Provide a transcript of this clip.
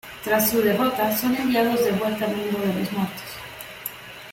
Tras su derrota son enviados de vuelta al mundo de los muertos.